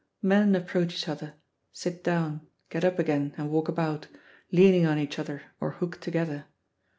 Men approach each other, sit down, get up again and walk about, leaning on each other or hooked together.